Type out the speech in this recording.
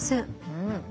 うん。